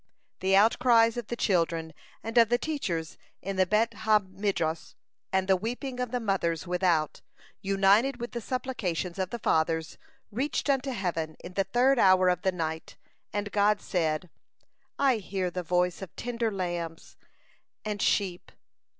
The out cries of the children and of the teachers in the Bet ha Midrash, and the weeping of the mothers without, united with the supplications of the Fathers, reached unto heaven in the third hour of the night, and God said: "I hear the voice of tender lambs and sheep!"